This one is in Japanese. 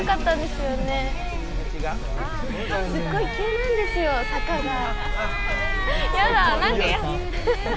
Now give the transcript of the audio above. すっごい急なんですよ、坂が。